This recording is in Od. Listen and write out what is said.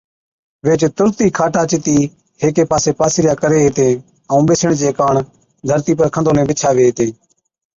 ويھِچ تُرت ئِي کاٽان جتِي ھيڪي پاسي پاسِيريا ڪرين ھِتين ائُون ٻيسڻي چي ڪاڻ ڌرتِي پر کنڌولين بِڇاوين ھِتين